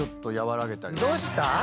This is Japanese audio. どうした？